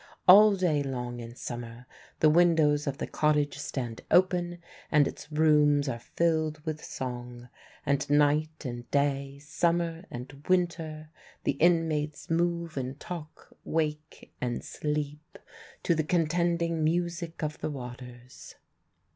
All day long in summer the windows of the cottage stand open, and its rooms are filled with song; and night and day, summer and winter, the inmates move and talk, wake and sleep, to the contending music of the waters.